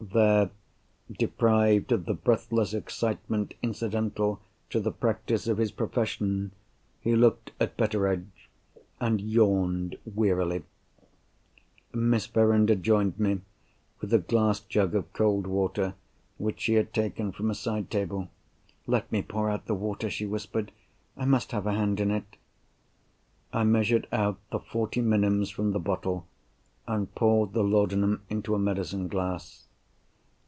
There, deprived of the breathless excitement incidental to the practice of his profession, he looked at Betteredge—and yawned wearily. Miss Verinder joined me with a glass jug of cold water, which she had taken from a side table. "Let me pour out the water," she whispered. "I must have a hand in it!" I measured out the forty minims from the bottle, and poured the laudanum into a medicine glass.